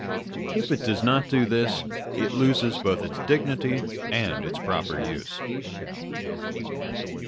If it does not do this, it loses both its dignity and its proper use.